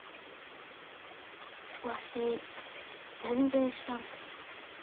わし全然知らんと。